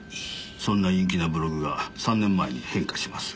そんな陰気なブログが３年前に変化します。